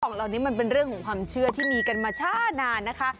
เหล่านี้มันเป็นเรื่องของความเชื่อที่มีกันมาช้านานนะคะ